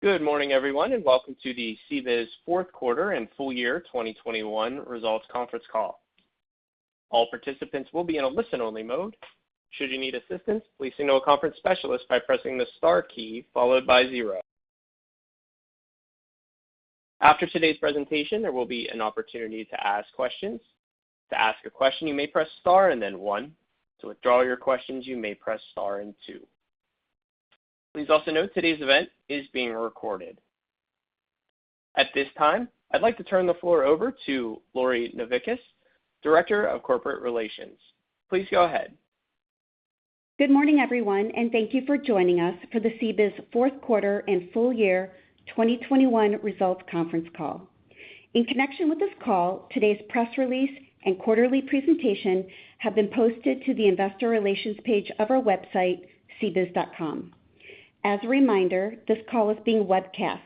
Good morning everyone, and welcome to the CBIZ fourth quarter and full year 2021 results conference call. All participants will be in a listen-only mode. Should you need assistance, please signal a conference specialist by pressing the star key followed by zero. After today's presentation, there will be an opportunity to ask questions. To ask a question, you may press star and then one. To withdraw your questions, you may press star and two. Please also note today's event is being recorded. At this time, I'd like to turn the floor over to Lori Novickis, Director of Corporate Relations. Please go ahead. Good morning everyone, and thank you for joining us for the CBIZ fourth quarter and full year 2021 results conference call. In connection with this call, today's press release and quarterly presentation have been posted to the investor relations page of our website, cbiz.com. As a reminder, this call is being webcast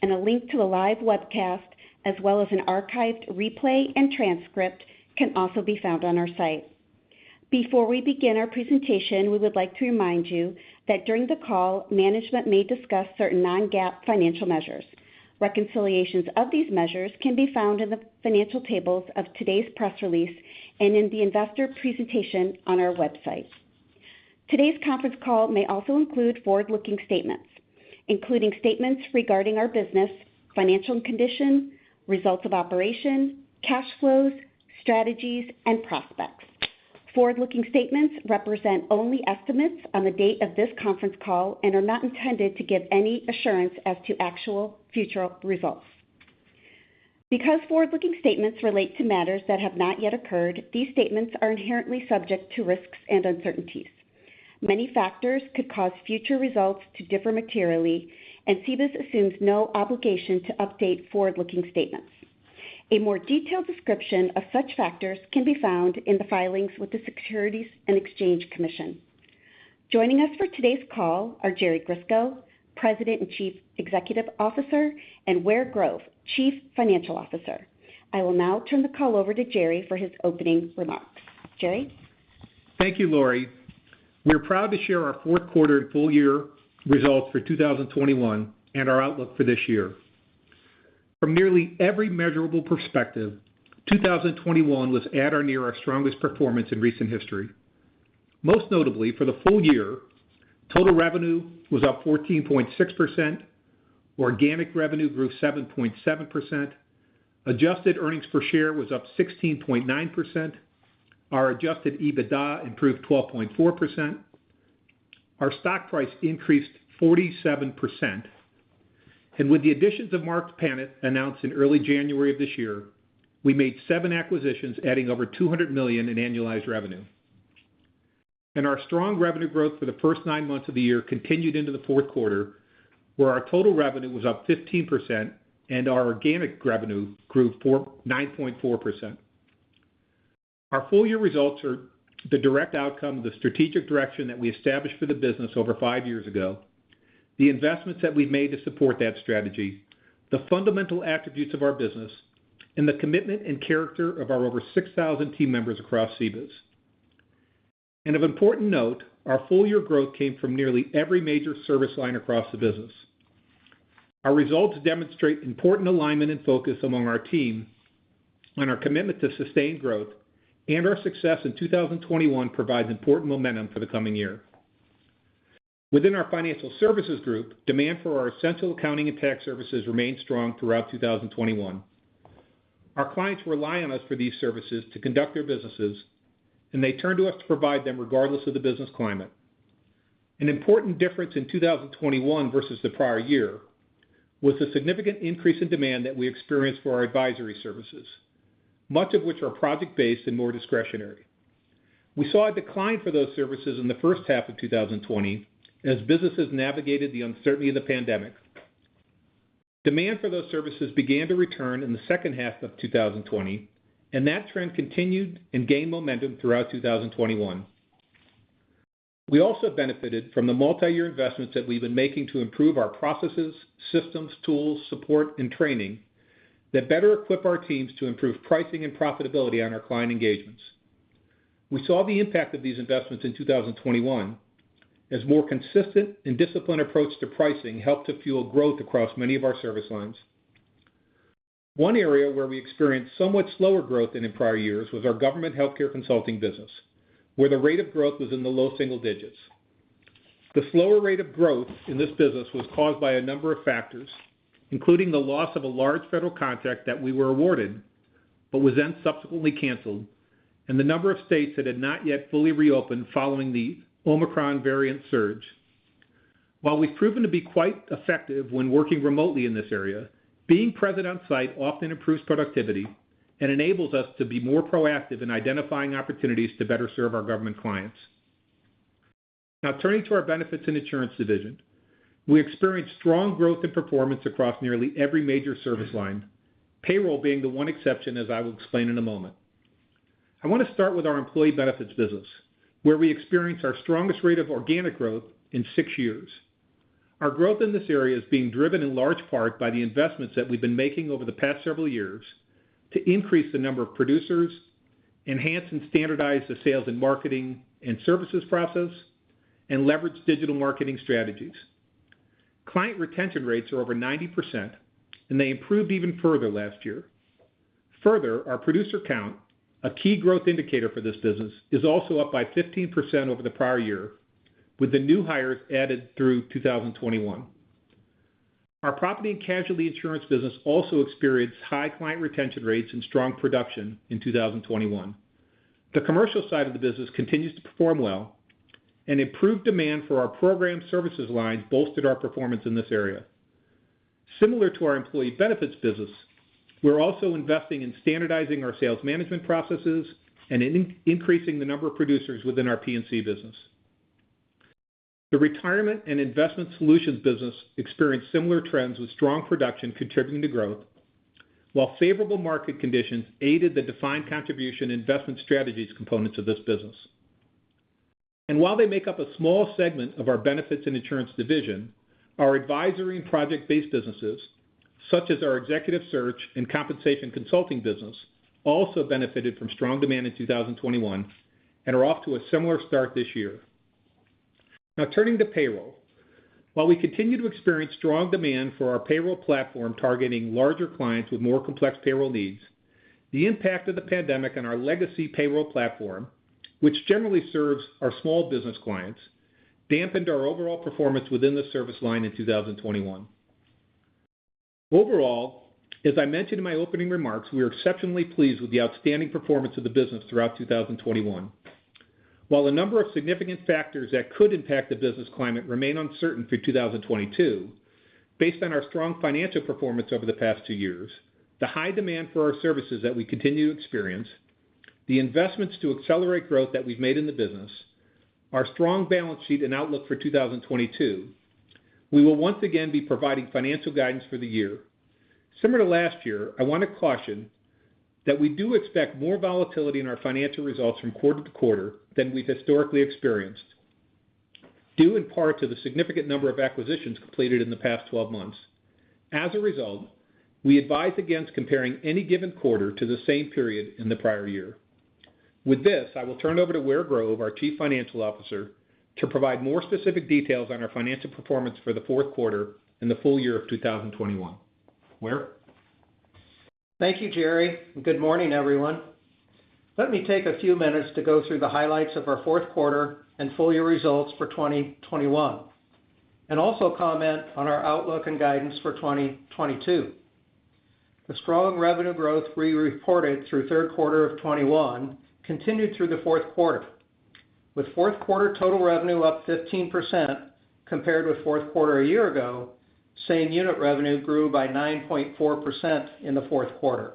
and a link to the live webcast, as well as an archived replay and transcript can also be found on our site. Before we begin our presentation, we would like to remind you that during the call, management may discuss certain non-GAAP financial measures. Reconciliations of these measures can be found in the financial tables of today's press release and in the investor presentation on our website. Today's conference call may also include forward-looking statements, including statements regarding our business, financial condition, results of operations, cash flows, strategies, and prospects. Forward-looking statements represent only estimates on the date of this conference call and are not intended to give any assurance as to actual future results. Because forward-looking statements relate to matters that have not yet occurred, these statements are inherently subject to risks and uncertainties. Many factors could cause future results to differ materially, and CBIZ assumes no obligation to update forward-looking statements. A more detailed description of such factors can be found in the filings with the Securities and Exchange Commission. Joining us for today's call are Jerry Grisko, President and Chief Executive Officer, and Ware Grove, Chief Financial Officer. I will now turn the call over to Jerry for his opening remarks. Jerry? Thank you, Lori. We're proud to share our fourth quarter and full year results for 2021 and our outlook for this year. From nearly every measurable perspective, 2021 was at or near our strongest performance in recent history. Most notably, for the full year, total revenue was up 14.6%, organic revenue grew 7.7%, adjusted earnings per share was up 16.9%, our adjusted EBITDA improved 12.4%, our stock price increased 47%, and with the additions of Marks Paneth, announced in early January of this year, we made seven acquisitions, adding over $200 million in annualized revenue. Our strong revenue growth for the first nine months of the year continued into the fourth quarter, where our total revenue was up 15% and our organic revenue grew 9.4%. Our full-year results are the direct outcome of the strategic direction that we established for the business over five years ago, the investments that we've made to support that strategy, the fundamental attributes of our business, and the commitment and character of our over 6,000 team members across CBIZ. Of important note, our full-year growth came from nearly every major service line across the business. Our results demonstrate important alignment and focus among our teams on our commitment to sustained growth, and our success in 2021 provides important momentum for the coming year. Within our financial services group, demand for our essential accounting and tax services remained strong throughout 2021. Our clients rely on us for these services to conduct their businesses, and they turn to us to provide them regardless of the business climate. An important difference in 2021 versus the prior year was the significant increase in demand that we experienced for our advisory services, much of which are project-based and more discretionary. We saw a decline for those services in the first half of 2020 as businesses navigated the uncertainty of the pandemic. Demand for those services began to return in the second half of 2020, and that trend continued and gained momentum throughout 2021. We also benefited from the multi-year investments that we've been making to improve our processes, systems, tools, support and training that better equip our teams to improve pricing and profitability on our client engagements. We saw the impact of these investments in 2021 as more consistent and disciplined approach to pricing helped to fuel growth across many of our service lines. One area where we experienced somewhat slower growth than in prior years was our government healthcare consulting business, where the rate of growth was in the low single digits. The slower rate of growth in this business was caused by a number of factors, including the loss of a large federal contract that we were awarded but was then subsequently canceled, and the number of states that had not yet fully reopened following the Omicron variant surge. While we've proven to be quite effective when working remotely in this area, being present on site often improves productivity and enables us to be more proactive in identifying opportunities to better serve our government clients. Now turning to our Benefits and Insurance division. We experienced strong growth and performance across nearly every major service line, payroll being the one exception, as I will explain in a moment. I want to start with our Employee Benefits business, where we experienced our strongest rate of organic growth in six years. Our growth in this area is being driven in large part by the investments that we've been making over the past several years to increase the number of producers, enhance and standardize the sales and marketing and services process, and leverage digital marketing strategies. Client retention rates are over 90%, and they improved even further last year. Further, our producer count, a key growth indicator for this business, is also up by 15% over the prior year, with the new hires added through 2021. Our Property and Casualty Insurance business also experienced high client retention rates and strong production in 2021. The commercial side of the business continues to perform well, and improved demand for our program services line bolstered our performance in this area. Similar to our Employee Benefits business, we're also investing in standardizing our sales management processes and increasing the number of producers within our P&C business. The Retirement and Investment solutions business experienced similar trends, with strong production contributing to growth, while favorable market conditions aided the defined contribution investment strategies components of this business. While they make up a small segment of our Benefits and Insurance division, our advisory and project-based businesses, such as our executive search and compensation consulting business, also benefited from strong demand in 2021 and are off to a similar start this year. Now turning to payroll. While we continue to experience strong demand for our payroll platform targeting larger clients with more complex payroll needs, the impact of the pandemic on our legacy payroll platform, which generally serves our small business clients, dampened our overall performance within the service line in 2021. Overall, as I mentioned in my opening remarks, we are exceptionally pleased with the outstanding performance of the business throughout 2021. While a number of significant factors that could impact the business climate remain uncertain for 2022, based on our strong financial performance over the past two years, the high demand for our services that we continue to experience, the investments to accelerate growth that we've made in the business, our strong balance sheet and outlook for 2022, we will once again be providing financial guidance for the year. Similar to last year, I want to caution that we do expect more volatility in our financial results from quarter-to-quarter than we've historically experienced, due in part to the significant number of acquisitions completed in the past 12 months. As a result, we advise against comparing any given quarter to the same period in the prior year. With this, I will turn it over to Ware Grove, our Chief Financial Officer, to provide more specific details on our financial performance for the fourth quarter and the full year of 2021. Ware? Thank you, Jerry. Good morning, everyone. Let me take a few minutes to go through the highlights of our fourth quarter and full year results for 2021 and also comment on our outlook and guidance for 2022. The strong revenue growth we reported through third quarter of 2021 continued through the fourth quarter. With fourth quarter total revenue up 15% compared with fourth quarter a year ago, same unit revenue grew by 9.4% in the fourth quarter.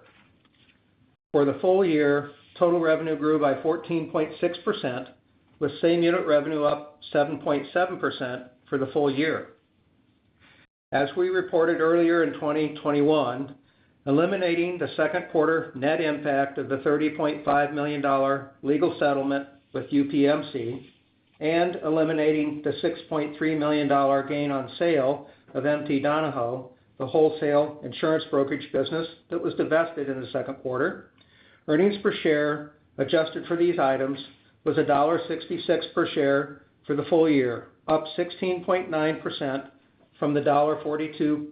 For the full year, total revenue grew by 14.6%, with same unit revenue up 7.7% for the full year. As we reported earlier in 2021, eliminating the second quarter net impact of the $30.5 million legal settlement with UPMC and eliminating the $6.3 million gain on sale of M.T. Donahoe, the wholesale insurance brokerage business that was divested in the second quarter, earnings per share adjusted for these items was $1.66 per share for the full year, up 16.9% from the $1.42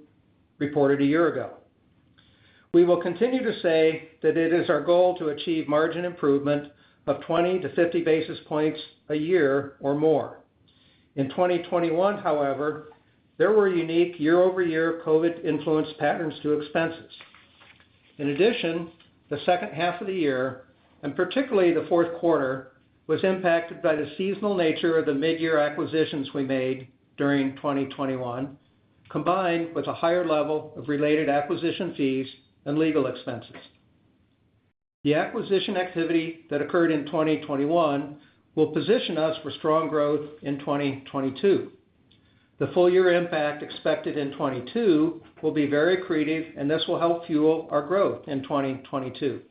reported a year ago. We will continue to say that it is our goal to achieve margin improvement of 20-50 basis points a year or more. In 2021, however, there were unique year-over-year COVID-influenced patterns to expenses. In addition, the second half of the year, and particularly the fourth quarter, was impacted by the seasonal nature of the mid-year acquisitions we made during 2021, combined with a higher level of related acquisition fees and legal expenses. The acquisition activity that occurred in 2021 will position us for strong growth in 2022. The full year impact expected in 2022 will be very accretive, and this will help fuel our growth in 2022.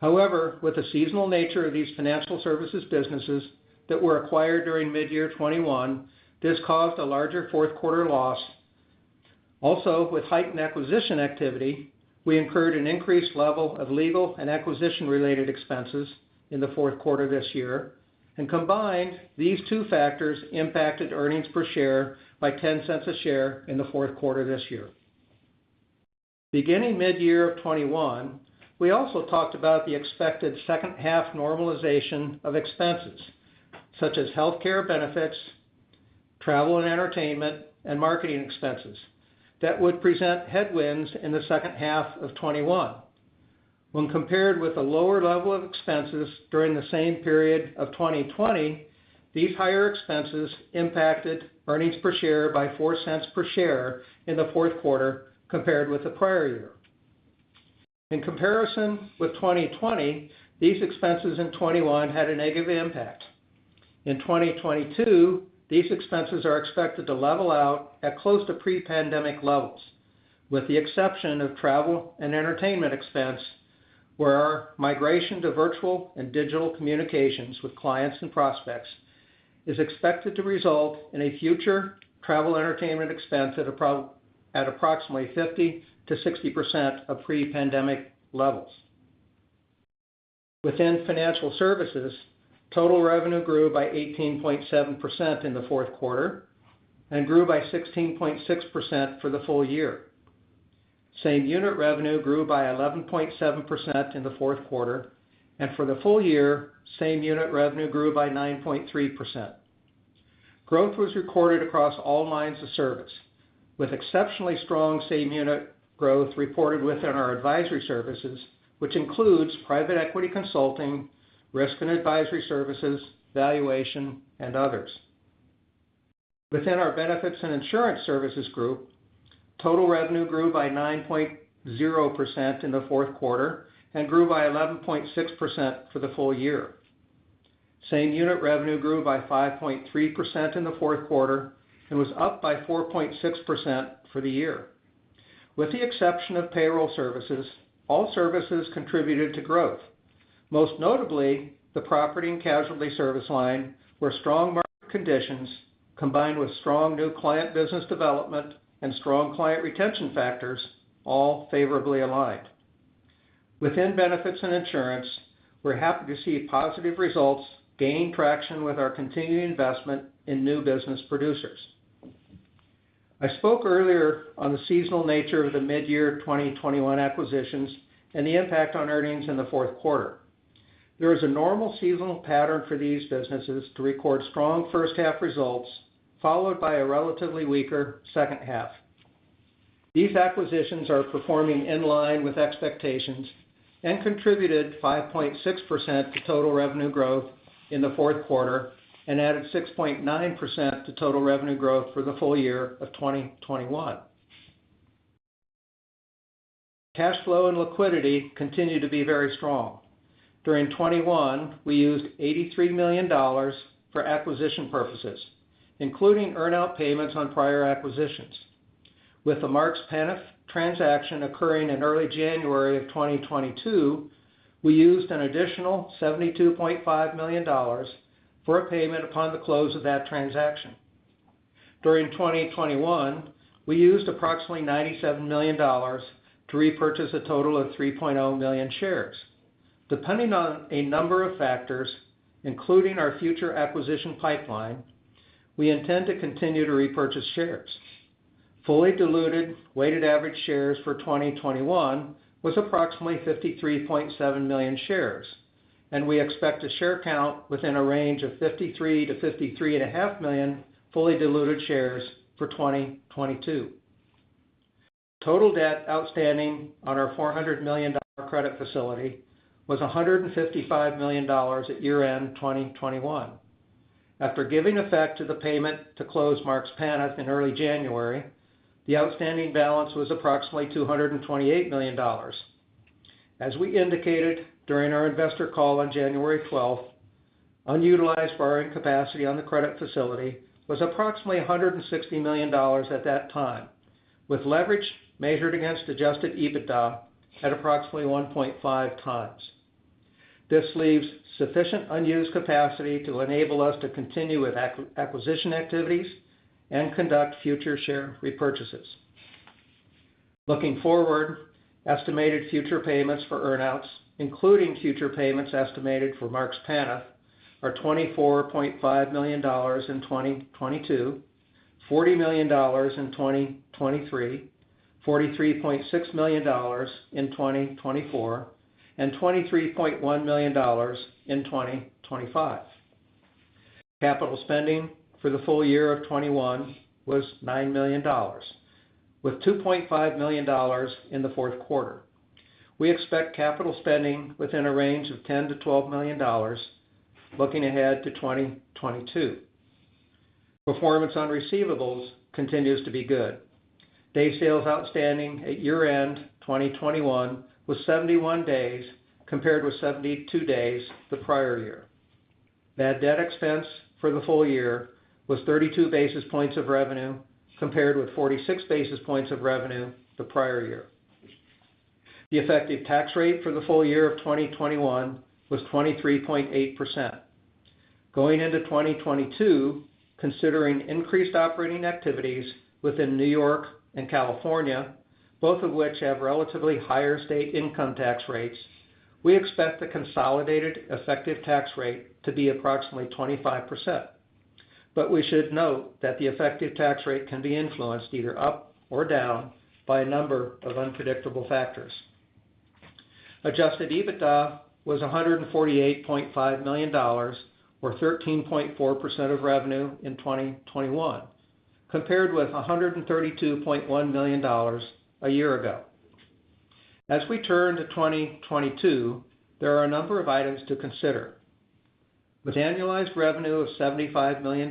However, with the seasonal nature of these Financial services businesses that were acquired during mid-year 2021, this caused a larger fourth quarter loss. Also, with heightened acquisition activity, we incurred an increased level of legal and acquisition-related expenses in the fourth quarter this year. Combined, these two factors impacted earnings per share by $0.10 a share in the fourth quarter this year. Beginning mid-year of 2021, we also talked about the expected second half normalization of expenses, such as healthcare benefits, travel and entertainment, and marketing expenses that would present headwinds in the second half of 2021. When compared with a lower level of expenses during the same period of 2020, these higher expenses impacted earnings per share by $0.04 per share in the fourth quarter compared with the prior year. In comparison with 2020, these expenses in 2021 had a negative impact. In 2022, these expenses are expected to level out at close to pre-pandemic levels, with the exception of travel and entertainment expense, where our migration to virtual and digital communications with clients and prospects is expected to result in a future travel and entertainment expense at approximately 50%-60% of pre-pandemic levels. Within Financial Services, total revenue grew by 18.7% in the fourth quarter and grew by 16.6% for the full year. Same-unit revenue grew by 11.7% in the fourth quarter, and for the full year, same-unit revenue grew by 9.3%. Growth was recorded across all lines of service, with exceptionally strong same-unit growth reported within our advisory services, which includes private equity consulting, risk and advisory services, valuation, and others. Within our Benefits and Insurance services group, total revenue grew by 9.0% in the fourth quarter and grew by 11.6% for the full year. Same-unit revenue grew by 5.3% in the fourth quarter and was up by 4.6% for the year. With the exception of payroll services, all services contributed to growth, most notably the Property and Casualty service line, where strong market conditions, combined with strong new client business development and strong client retention factors all favorably aligned. Within Benefits and Insurance, we're happy to see positive results gain traction with our continuing investment in new business producers. I spoke earlier on the seasonal nature of the mid-year 2021 acquisitions and the impact on earnings in the fourth quarter. There is a normal seasonal pattern for these businesses to record strong first half results, followed by a relatively weaker second half. These acquisitions are performing in line with expectations and contributed 5.6% to total revenue growth in the fourth quarter, and added 6.9% to total revenue growth for the full year of 2021. Cash flow and liquidity continue to be very strong. During 2021, we used $83 million for acquisition purposes, including earn-out payments on prior acquisitions. With the Marks Paneth transaction occurring in early January of 2022, we used an additional $72.5 million for a payment upon the close of that transaction. During 2021, we used approximately $97 million to repurchase a total of 3.0 million shares. Depending on a number of factors, including our future acquisition pipeline, we intend to continue to repurchase shares. Fully diluted weighted average shares for 2021 was approximately 53.7 million shares, and we expect a share count within a range of 53 million-53.5 million fully diluted shares for 2022. Total debt outstanding on our $400 million credit facility was $155 million at year-end 2021. After giving effect to the payment to close Marks Paneth in early January, the outstanding balance was approximately $228 million. As we indicated during our investor call on January 12th, unutilized borrowing capacity on the credit facility was approximately $160 million at that time, with leverage measured against adjusted EBITDA at approximately 1.5x. This leaves sufficient unused capacity to enable us to continue with acquisition activities and conduct future share repurchases. Looking forward, estimated future payments for earn-outs, including future payments estimated for Marks Paneth, are $24.5 million in 2022, $40 million in 2023, $43.6 million in 2024, and $23.1 million in 2025. Capital spending for the full year of 2021 was $9 million, with $2.5 million in the fourth quarter. We expect capital spending within a range of $10 million-$12 million looking ahead to 2022. Performance on receivables continues to be good. Day sales outstanding at year-end 2021 was 71 days, compared with 72 days the prior year. Bad debt expense for the full year was 32 basis points of revenue, compared with 46 basis points of revenue the prior year. The effective tax rate for the full year of 2021 was 23.8%. Going into 2022, considering increased operating activities within New York and California, both of which have relatively higher state income tax rates, we expect the consolidated effective tax rate to be approximately 25%. We should note that the effective tax rate can be influenced either up or down by a number of unpredictable factors. Adjusted EBITDA was $148.5 million or 13.4% of revenue in 2021, compared with $132.1 million a year ago. As we turn to 2022, there are a number of items to consider. With annualized revenue of $75 million,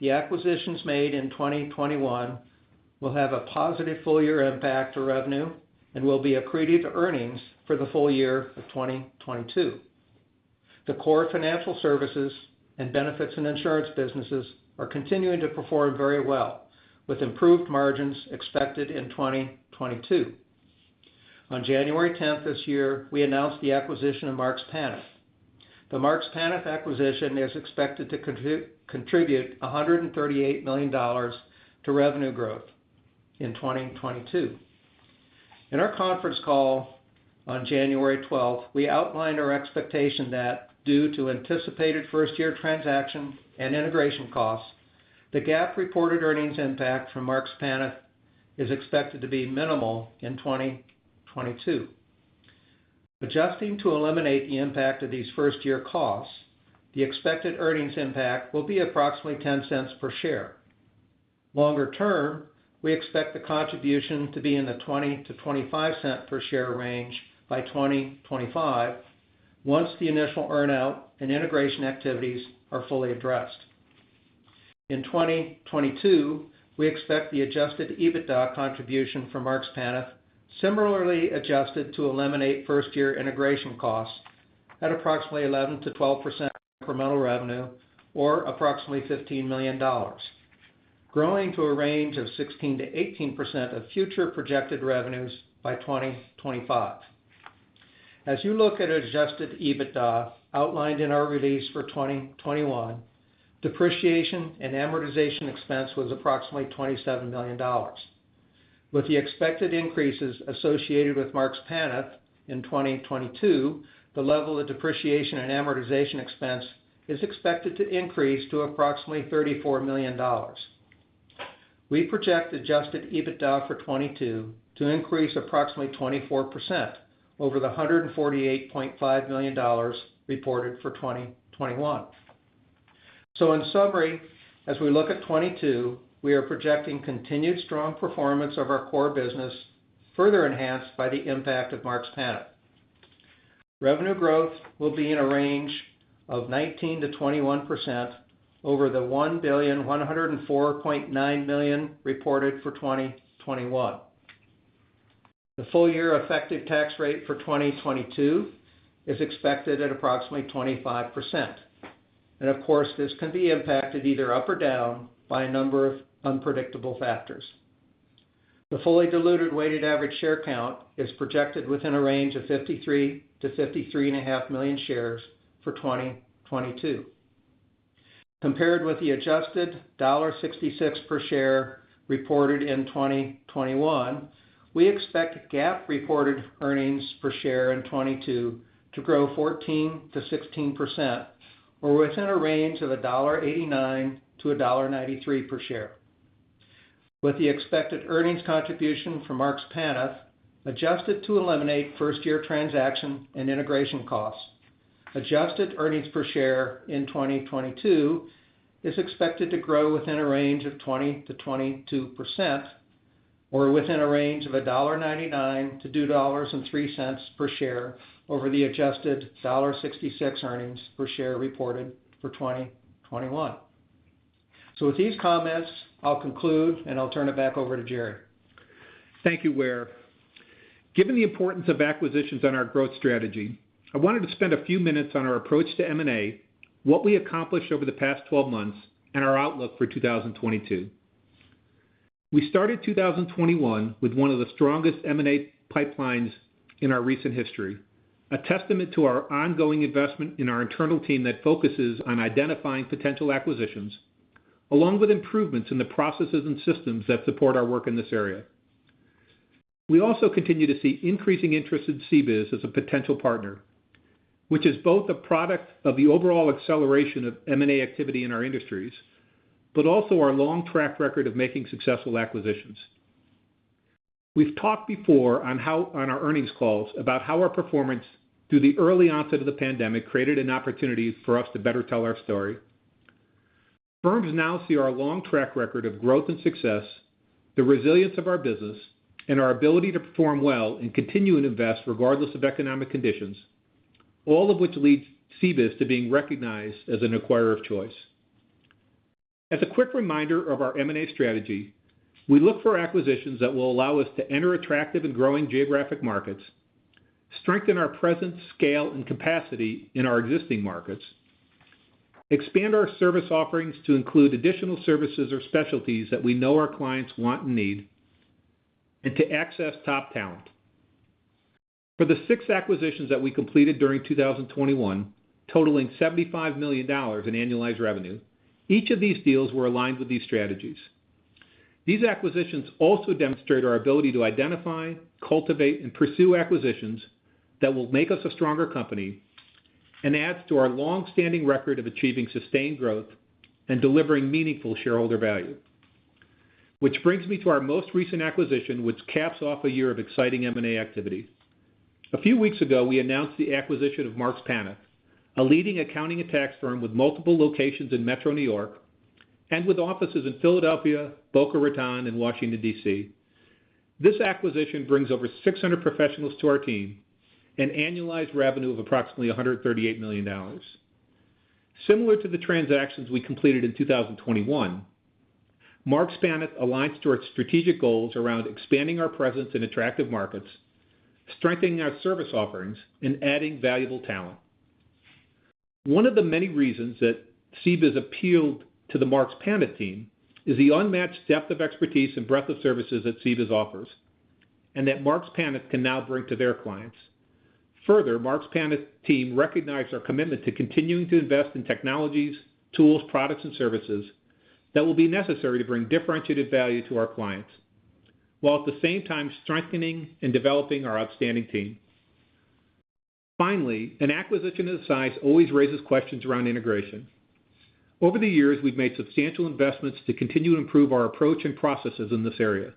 the acquisitions made in 2021 will have a positive full year impact to revenue and will be accretive to earnings for the full year of 2022. The core Financial Services and Benefits and Insurance businesses are continuing to perform very well with improved margins expected in 2022. On January 10th this year, we announced the acquisition of Marks Paneth. The Marks Paneth acquisition is expected to contribute $138 million to revenue growth in 2022. In our conference call on January 12th, we outlined our expectation that due to anticipated first year transaction and integration costs, the GAAP reported earnings impact from Marks Paneth is expected to be minimal in 2022. Adjusting to eliminate the impact of these first year costs, the expected earnings impact will be approximately $0.10 Per share. Longer term, we expect the contribution to be in the $0.20-$0.25 per share range by 2025 once the initial earn-out and integration activities are fully addressed. In 2022, we expect the adjusted EBITDA contribution from Marks Paneth similarly adjusted to eliminate first year integration costs at approximately 11%-12% incremental revenue or approximately $15 million, growing to a range of 16%-18% of future projected revenues by 2025. As you look at adjusted EBITDA outlined in our release for 2021, depreciation and amortization expense was approximately $27 million. With the expected increases associated with Marks Paneth in 2022, the level of depreciation and amortization expense is expected to increase to approximately $34 million. We project adjusted EBITDA for 2022 to increase approximately 24% over the $148.5 million reported for 2021. In summary, as we look at 2022, we are projecting continued strong performance of our core business, further enhanced by the impact of Marks Paneth. Revenue growth will be in a range of 19%-21% over the $1.1049 billion reported for 2021. The full year effective tax rate for 2022 is expected at approximately 25%. Of course, this can be impacted either up or down by a number of unpredictable factors. The fully diluted weighted average share count is projected within a range of 53 million-53.5 million shares for 2022. Compared with the adjusted $1.66 per share reported in 2021, we expect GAAP reported earnings per share in 2022 to grow 14%-16%, or within a range of $1.89-$1.93 per share. With the expected earnings contribution from Marks Paneth, adjusted to eliminate first year transaction and integration costs, adjusted earnings per share in 2022 is expected to grow within a range of 20%-22%, or within a range of $1.99-$2.03 per share over the adjusted $1.66 earnings per share reported for 2021. With these comments, I'll conclude and I'll turn it back over to Jerry. Thank you, Ware. Given the importance of acquisitions on our growth strategy, I wanted to spend a few minutes on our approach to M&A, what we accomplished over the past 12 months, and our outlook for 2022. We started 2021 with one of the strongest M&A pipelines in our recent history, a testament to our ongoing investment in our internal team that focuses on identifying potential acquisitions, along with improvements in the processes and systems that support our work in this area. We also continue to see increasing interest in CBIZ as a potential partner, which is both a product of the overall acceleration of M&A activity in our industries, but also our long track record of making successful acquisitions. We've talked before on our earnings calls about how our performance through the early onset of the pandemic created an opportunity for us to better tell our story. Firms now see our long track record of growth and success, the resilience of our business, and our ability to perform well and continue to invest regardless of economic conditions, all of which leads CBIZ to being recognized as an acquirer of choice. As a quick reminder of our M&A strategy, we look for acquisitions that will allow us to enter attractive and growing geographic markets, strengthen our presence, scale, and capacity in our existing markets, expand our service offerings to include additional services or specialties that we know our clients want and need, and to access top talent. For the six acquisitions that we completed during 2021, totaling $75 million in annualized revenue, each of these deals were aligned with these strategies. These acquisitions also demonstrate our ability to identify, cultivate, and pursue acquisitions that will make us a stronger company and adds to our long-standing record of achieving sustained growth and delivering meaningful shareholder value. Which brings me to our most recent acquisition, which caps off a year of exciting M&A activity. A few weeks ago, we announced the acquisition of Marks Paneth, a leading accounting and tax firm with multiple locations in Metro New York and with offices in Philadelphia, Boca Raton, and Washington, D.C. This acquisition brings over 600 professionals to our team, an annualized revenue of approximately $138 million. Similar to the transactions we completed in 2021, Marks Paneth aligns to our strategic goals around expanding our presence in attractive markets, strengthening our service offerings, and adding valuable talent. One of the many reasons that CBIZ appealed to the Marks Paneth team is the unmatched depth of expertise and breadth of services that CBIZ offers, and that Marks Paneth can now bring to their clients. Further, Marks Paneth team recognized our commitment to continuing to invest in technologies, tools, products, and services that will be necessary to bring differentiated value to our clients, while at the same time strengthening and developing our outstanding team. Finally, an acquisition of this size always raises questions around integration. Over the years, we've made substantial investments to continue to improve our approach and processes in this area.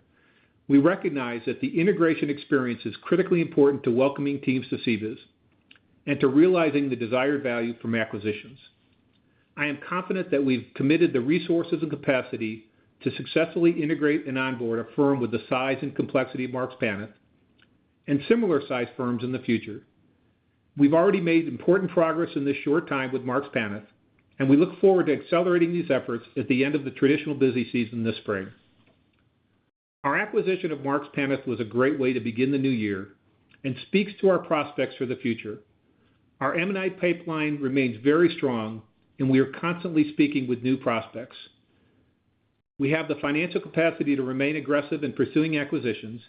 We recognize that the integration experience is critically important to welcoming teams to CBIZ and to realizing the desired value from acquisitions. I am confident that we've committed the resources and capacity to successfully integrate and onboard a firm with the size and complexity of Marks Paneth and similar-sized firms in the future. We've already made important progress in this short time with Marks Paneth, and we look forward to accelerating these efforts at the end of the traditional busy season this spring. Our acquisition of Marks Paneth was a great way to begin the new year and speaks to our prospects for the future. Our M&A pipeline remains very strong, and we are constantly speaking with new prospects. We have the financial capacity to remain aggressive in pursuing acquisitions,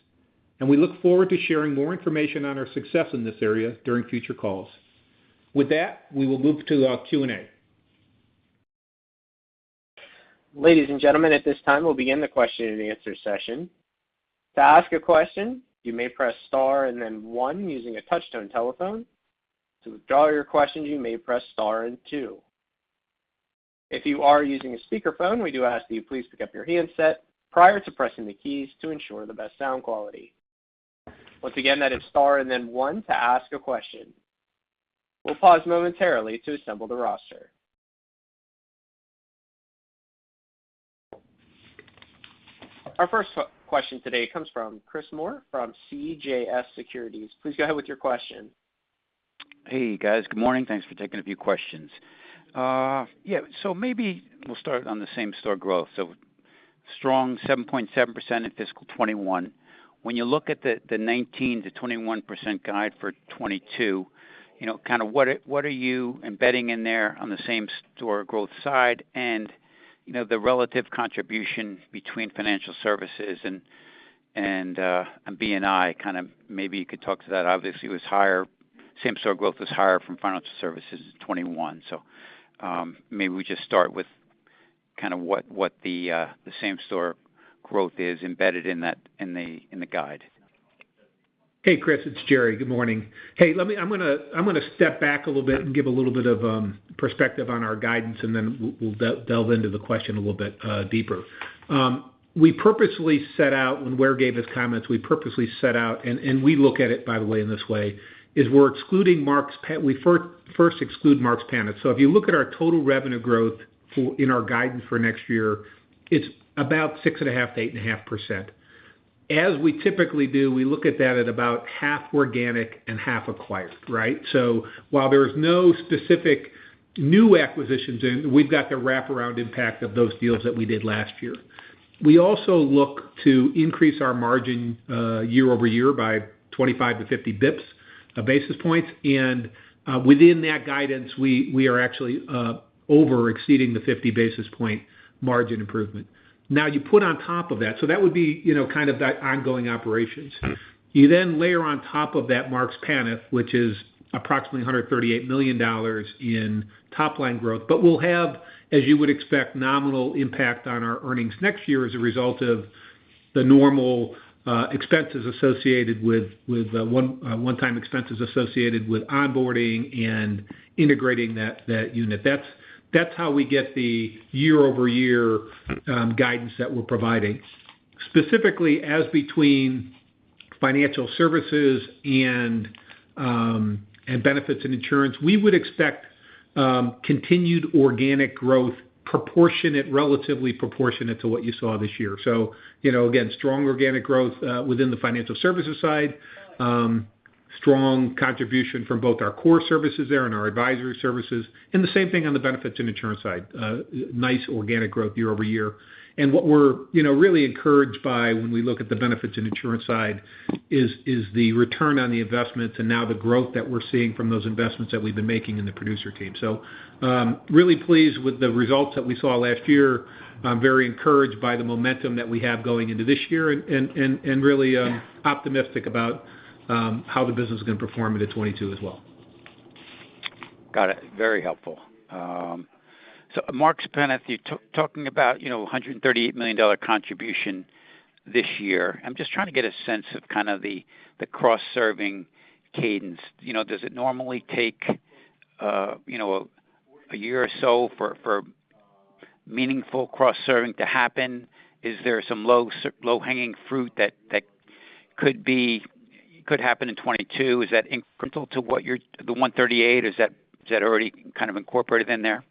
and we look forward to sharing more information on our success in this area during future calls. With that, we will move to our Q&A. Ladies and gentlemen, at this time, we'll begin the Q&A session. To ask a question, you may press star and then one using a touch-tone telephone. To withdraw your question, you may press star and two. If you are using a speakerphone, we do ask that you please pick up your handset prior to pressing the keys to ensure the best sound quality. Once again, that is star and then one to ask a question. We'll pause momentarily to assemble the roster. Our first question today comes from Chris Moore from CJS Securities. Please go ahead with your question. Hey, guys. Good morning. Thanks for taking a few questions. Yeah, maybe we'll start on the same-store growth. Strong 7.7% in fiscal 2021. When you look at the 19%-21% guide for 2022, you know, what are you embedding in there on the same-store growth side and, you know, the relative contribution between Financial Services and B&I. Maybe you could talk to that. Obviously, same-store growth was higher from Financial Services in 2021. Maybe we just start with what the same-store growth is embedded in that in the guide. Hey, Chris. It's Jerry. Good morning. Hey, I'm gonna step back a little bit and give a little bit of perspective on our guidance, and then we'll delve into the question a little bit deeper. We purposely set out when Ware gave his comments, and we look at it, by the way, in this way, is we're excluding Marks Paneth. We first exclude Marks Paneth. So if you look at our total revenue growth in our guidance for next year, it's about 6.5%-8.5%. As we typically do, we look at that at about half organic and half acquired, right? So while there is no specific new acquisitions in, we've got the wraparound impact of those deals that we did last year. We also look to increase our margin year-over-year by 25-50 basis points. Within that guidance, we are actually over exceeding the 50 basis point margin improvement. Now, you put on top of that that would be, you know, kind of that ongoing operations. Mm-hmm. You layer on top of that Marks Paneth, which is approximately $138 million in top-line growth. We'll have, as you would expect, nominal impact on our earnings next year as a result of the normal expenses associated with one-time expenses associated with onboarding and integrating that unit. That's how we get the year-over-year guidance that we're providing. Specifically, as between Financial Services and Benefits and Insurance, we would expect continued organic growth proportionate, relatively proportionate to what you saw this year. You know, again, strong organic growth within the Financial Services side, strong contribution from both our core services there and our advisory services, and the same thing on the Benefits and Insurance side, nice organic growth year-over-year. What we're, you know, really encouraged by when we look at the Benefits and Insurance side is the return on the investments and now the growth that we're seeing from those investments that we've been making in the producer team. Really pleased with the results that we saw last year. I'm very encouraged by the momentum that we have going into this year and really optimistic about how the business is gonna perform into 2022 as well. Got it. Very helpful. So Marks Paneth, you're talking about, you know, $138 million contribution this year. I'm just trying to get a sense of kind of the cross-serving cadence. You know, does it normally take a year or so for meaningful cross-serving to happen? Is there some low-hanging fruit that could happen in 2022? Is that incremental to what you're the $138 million? Is that already kind of incorporated in there?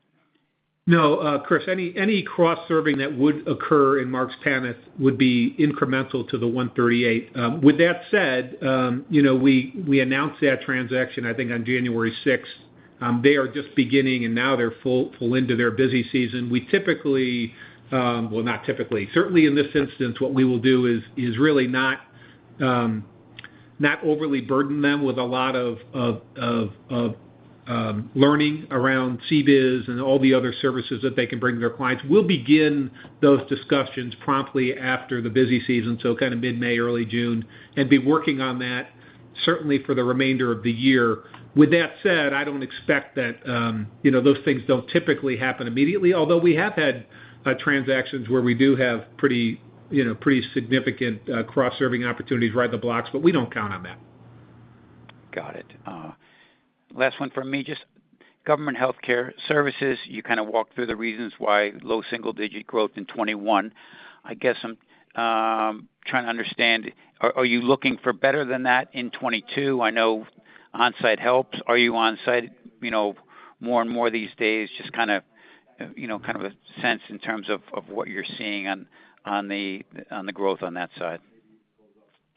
No, Chris, any cross-selling that would occur in Marks Paneth would be incremental to the $138 million. With that said, you know, we announced that transaction, I think, on January 6th. They are just beginning, and now they're full into their busy season. We typically. Well, not typically. Certainly, in this instance, what we will do is really not overly burden them with a lot of learning around CBIZ and all the other services that they can bring their clients. We'll begin those discussions promptly after the busy season, so kind of mid-May, early June, and be working on that certainly for the remainder of the year. With that said, I don't expect that, you know, those things don't typically happen immediately, although we have had transactions where we do have pretty, you know, pretty significant cross-selling opportunities right out of the blocks, but we don't count on that. Got it. Last one from me. Just government healthcare services, you kind of walked through the reasons why low single-digit growth in 2021. I guess, I'm trying to understand, are you looking for better than that in 2022? I know onsite helps. Are you onsite, you know, more and more these days? Just kinda, you know, kind of a sense in terms of what you're seeing on the growth on that side.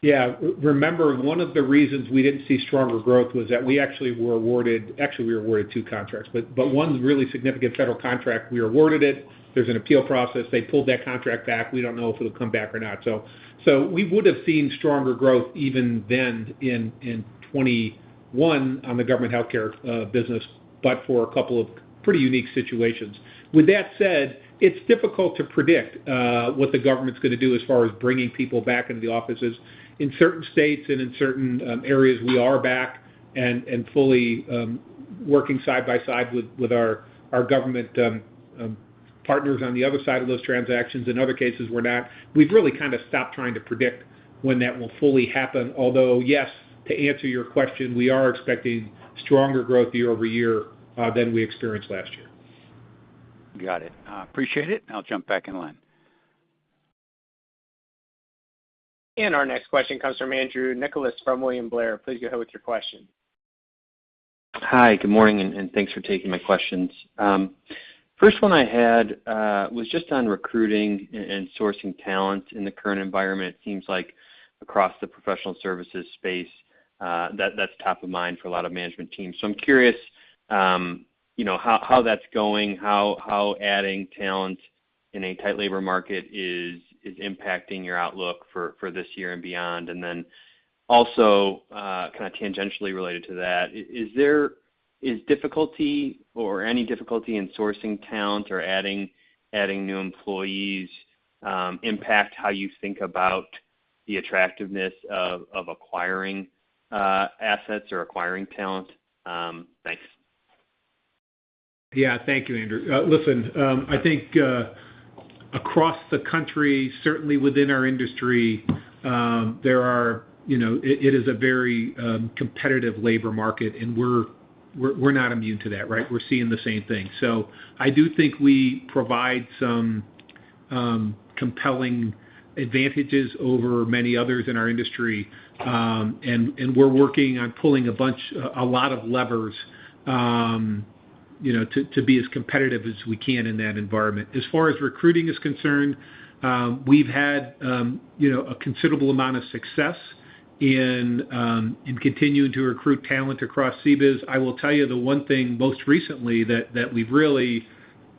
Yeah. Remember, one of the reasons we didn't see stronger growth was that actually we were awarded two contracts, but one's a really significant federal contract. We awarded it. There's an appeal process. They pulled that contract back. We don't know if it'll come back or not. We would've seen stronger growth even then in 2021 on the government healthcare business, but for a couple of pretty unique situations. With that said, it's difficult to predict what the government's gonna do as far as bringing people back into the offices. In certain states and in certain areas, we are back and fully working side by side with our government partners on the other side of those transactions. In other cases, we're not. We've really kind of stopped trying to predict when that will fully happen. Although, yes, to answer your question, we are expecting stronger growth year-over-year than we experienced last year. Got it. Appreciate it, and I'll jump back in line. Our next question comes from Andrew Nicholas from William Blair. Please go ahead with your question. Hi. Good morning, and thanks for taking my questions. First one I had was just on recruiting and sourcing talent in the current environment. It seems like across the professional services space, that's top of mind for a lot of management teams. I'm curious, you know, how that's going, how adding talent in a tight labor market is impacting your outlook for this year and beyond. Also, kind of tangentially related to that, is there difficulty or any difficulty in sourcing talent or adding new employees impact how you think about the attractiveness of acquiring assets or acquiring talent? Thanks. Yeah. Thank you, Andrew. I think across the country, certainly within our industry, there are, you know. It is a very competitive labor market, and we're not immune to that, right? We're seeing the same thing. I do think we provide some compelling advantages over many others in our industry, and we're working on pulling a lot of levers, you know, to be as competitive as we can in that environment. As far as recruiting is concerned, we've had a considerable amount of success in continuing to recruit talent across CBIZ. I will tell you the one thing most recently that we've really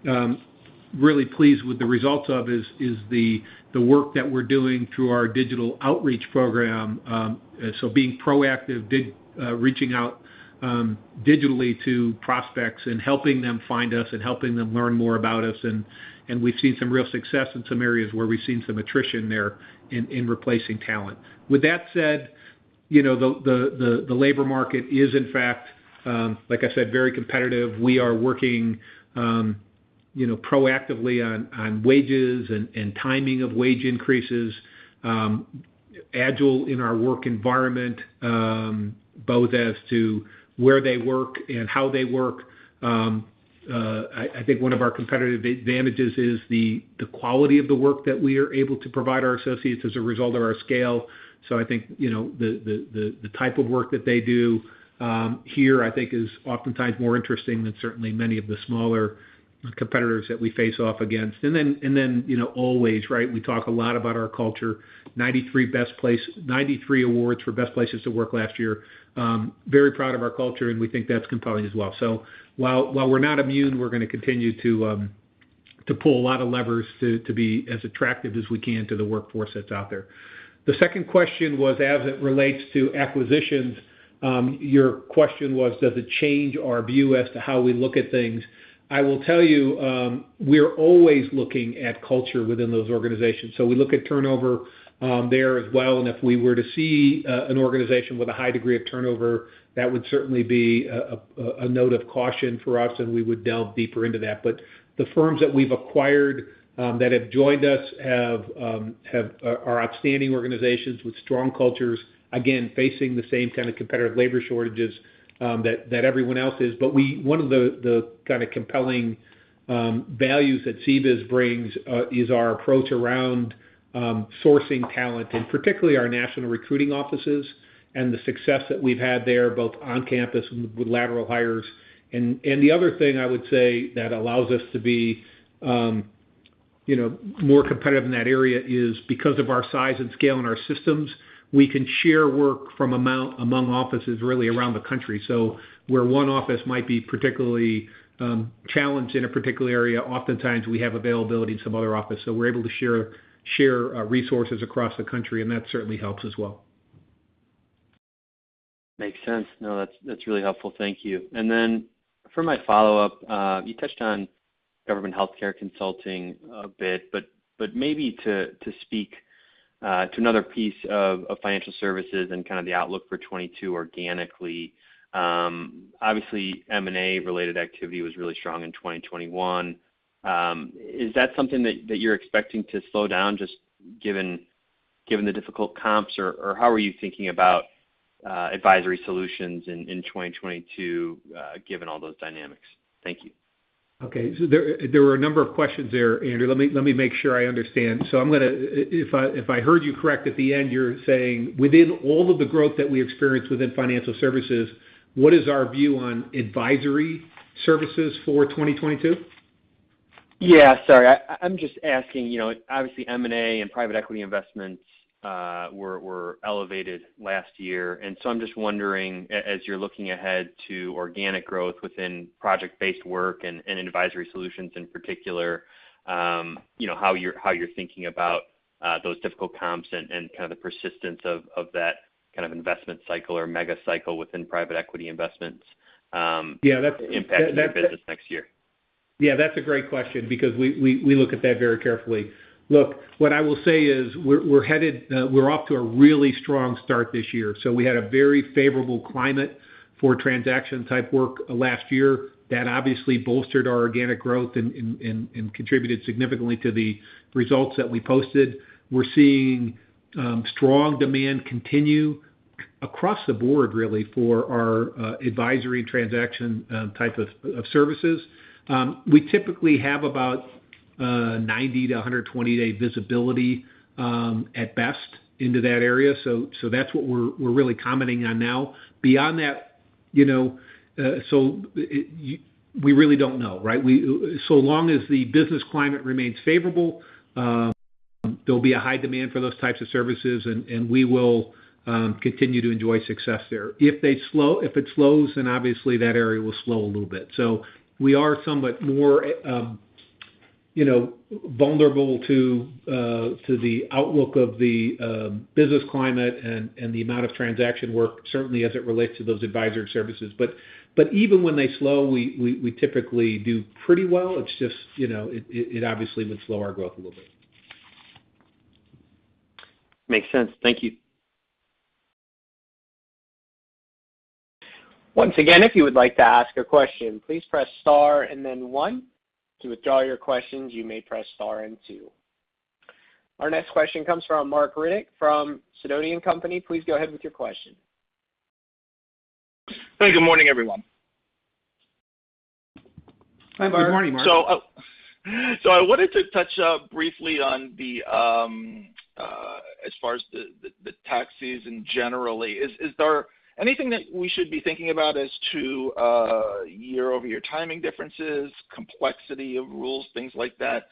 pleased with the results of is the work that we're doing through our digital outreach program. Being proactive, digitally reaching out to prospects and helping them find us and helping them learn more about us and we've seen some real success in some areas where we've seen some attrition there in replacing talent. With that said, you know, the labor market is in fact, like I said, very competitive. We are working, you know, proactively on wages and timing of wage increases, agile in our work environment, both as to where they work and how they work. I think one of our competitive advantages is the quality of the work that we are able to provide our associates as a result of our scale. I think, you know, the type of work that they do here I think is oftentimes more interesting than certainly many of the smaller competitors that we face off against. Then, you know, always, right, we talk a lot about our culture. 93 awards for Best Places to Work last year. Very proud of our culture, and we think that's compelling as well. While we're not immune, we're gonna continue to pull a lot of levers to be as attractive as we can to the workforce that's out there. The second question was, as it relates to acquisitions, your question was, does it change our view as to how we look at things? I will tell you, we're always looking at culture within those organizations. We look at turnover there as well, and if we were to see an organization with a high degree of turnover, that would certainly be a note of caution for us, and we would delve deeper into that. The firms that we've acquired that have joined us are outstanding organizations with strong cultures, again, facing the same kind of competitive labor shortages that everyone else is. One of the kind of compelling values that CBIZ brings is our approach around sourcing talent, and particularly our national recruiting offices and the success that we've had there, both on campus with lateral hires. The other thing I would say that allows us to be, you know, more competitive in that area is because of our size and scale and our systems, we can share work among offices really around the country. Where one office might be particularly challenged in a particular area, oftentimes we have availability in some other office. We're able to share resources across the country, and that certainly helps as well. Makes sense. No, that's really helpful. Thank you. Then for my follow-up, you touched on government healthcare consulting a bit, but maybe to speak to another piece of Financial services and kind of the outlook for 2022 organically, obviously M&A related activity was really strong in 2021. Is that something that you're expecting to slow down just given the difficult comps? Or how are you thinking about advisory solutions in 2022, given all those dynamics? Thank you. Okay. There were a number of questions there, Andrew. Let me make sure I understand. I'm gonna. If I heard you correctly at the end, you're saying within all of the growth that we experienced within Financial services, what is our view on advisory services for 2022? Yeah, sorry. I'm just asking, you know, obviously M&A and private equity investments were elevated last year, and so I'm just wondering as you're looking ahead to organic growth within project-based work and advisory solutions in particular, you know, how you're thinking about those difficult comps and kind of the persistence of that kind of investment cycle or mega cycle within private equity investments impacting your business next year? Yeah. Yeah, that's a great question because we look at that very carefully. Look, what I will say is we're off to a really strong start this year. We had a very favorable climate for transaction type work last year that obviously bolstered our organic growth and contributed significantly to the results that we posted. We're seeing strong demand continue across the board really for our advisory transaction type of services. We typically have about 90-120 day visibility at best into that area. That's what we're really commenting on now. Beyond that, you know, we really don't know, right? So long as the business climate remains favorable, there'll be a high demand for those types of services and we will continue to enjoy success there. If it slows, then obviously that area will slow a little bit. We are somewhat more, you know, vulnerable to the outlook of the business climate and the amount of transaction work, certainly as it relates to those advisory services. Even when they slow, we typically do pretty well. It's just, you know, it obviously would slow our growth a little bit. Makes sense. Thank you. Our next question comes from Marc Riddick from Sidoti & Company. Please go ahead with your question. Hey, good morning, everyone. Hi, Marc. Good morning, Marc. I wanted to touch briefly on the as far as the tax season generally. Is there anything that we should be thinking about as to year-over-year timing differences, complexity of rules, things like that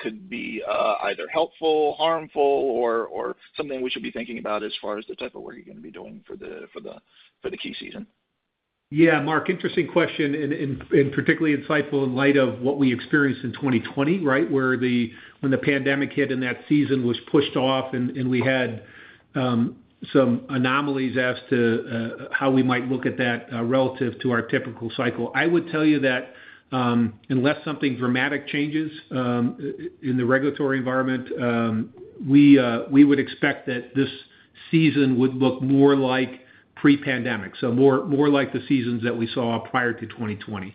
could be either helpful, harmful or something we should be thinking about as far as the type of work you're gonna be doing for the key season? Yeah, Marc, interesting question and particularly insightful in light of what we experienced in 2020, right? When the pandemic hit and that season was pushed off and we had some anomalies as to how we might look at that relative to our typical cycle. I would tell you that unless something dramatic changes in the regulatory environment, we would expect that this season would look more like pre-pandemic, so more like the seasons that we saw prior to 2020.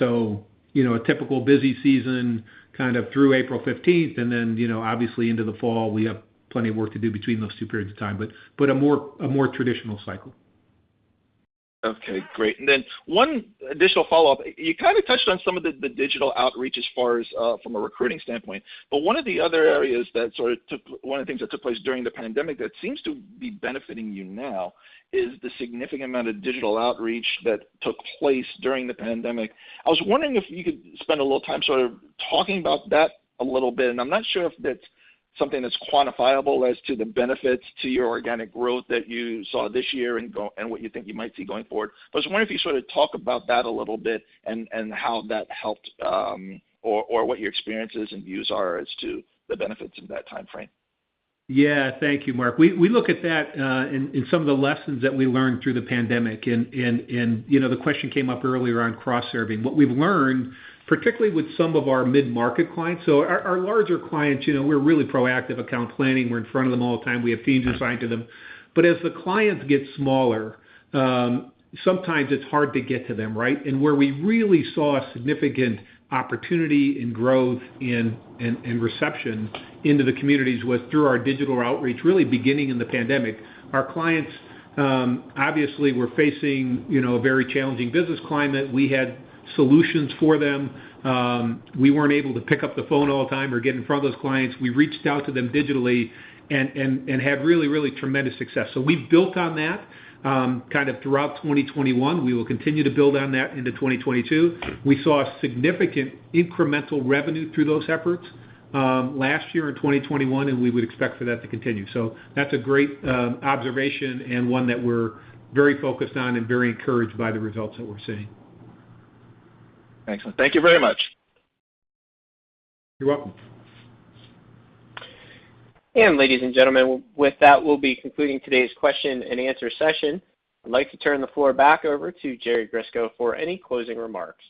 You know, a typical busy season kind of through April 15th and then, you know, obviously into the fall, we have plenty of work to do between those two periods of time, a more traditional cycle. Okay, great. Then one additional follow-up. You kind of touched on some of the digital outreach as far as from a recruiting standpoint. But one of the other areas one of the things that took place during the pandemic that seems to be benefiting you now is the significant amount of digital outreach that took place during the pandemic. I was wondering if you could spend a little time sort of talking about that a little bit. I'm not sure if that's something that's quantifiable as to the benefits to your organic growth that you saw this year and what you think you might see going forward. I was wondering if you sort of talk about that a little bit and how that helped, or what your experiences and views are as to the benefits in that timeframe? Yeah. Thank you, Marc. We look at that in some of the lessons that we learned through the pandemic. You know, the question came up earlier on cross-serving. What we've learned, particularly with some of our mid-market clients, our larger clients, you know, we're really proactive account planning. We're in front of them all the time. We have teams assigned to them. But as the clients get smaller, sometimes it's hard to get to them, right? Where we really saw significant opportunity and growth and reception into the communities was through our digital outreach, really beginning in the pandemic. Our clients obviously were facing, you know, a very challenging business climate. We had solutions for them. We weren't able to pick up the phone all the time or get in front of those clients. We reached out to them digitally and had really tremendous success. We've built on that kind of throughout 2021. We will continue to build on that into 2022. We saw significant incremental revenue through those efforts last year in 2021, and we would expect for that to continue. That's a great observation and one that we're very focused on and very encouraged by the results that we're seeing. Excellent. Thank you very much. You're welcome. Ladies and gentlemen, with that, we'll be concluding today's Q&A session. I'd like to turn the floor back over to Jerry Grisko for any closing remarks.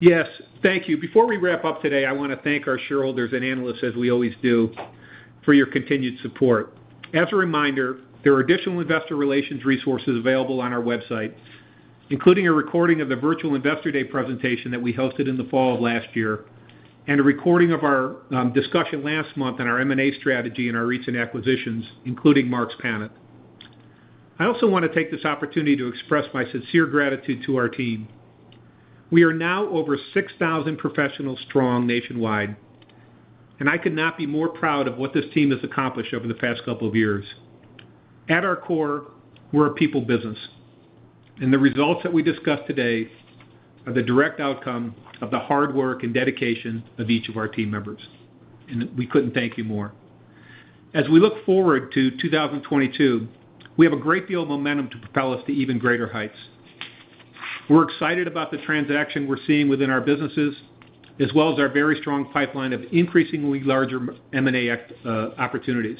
Yes. Thank you. Before we wrap up today, I wanna thank our shareholders and analysts as we always do, for your continued support. As a reminder, there are additional investor relations resources available on our website, including a recording of the virtual investor day presentation that we hosted in the fall of last year, and a recording of our discussion last month on our M&A strategy and our recent acquisitions, including Marks Paneth. I also wanna take this opportunity to express my sincere gratitude to our team. We are now over 6,000 professionals strong nationwide, and I could not be more proud of what this team has accomplished over the past couple of years. At our core, we're a people business, and the results that we discussed today are the direct outcome of the hard work and dedication of each of our team members, and we couldn't thank you more. As we look forward to 2022, we have a great deal of momentum to propel us to even greater heights. We're excited about the transaction we're seeing within our businesses, as well as our very strong pipeline of increasingly larger M&A opportunities.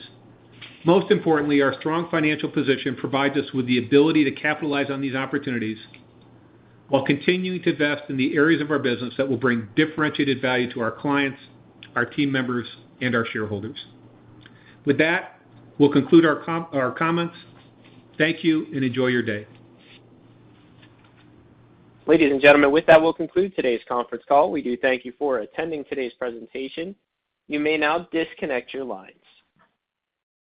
Most importantly, our strong financial position provides us with the ability to capitalize on these opportunities while continuing to invest in the areas of our business that will bring differentiated value to our clients, our team members, and our shareholders. With that, we'll conclude our comments. Thank you and enjoy your day. Ladies and gentlemen, with that, we'll conclude today's conference call. We do thank you for attending today's presentation. You may now disconnect your lines.